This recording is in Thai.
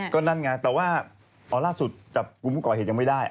ก็นั่นไงแต่ว่าตอนล่าศุษย์พวกผู้ก่อเหตุยังไม่ได้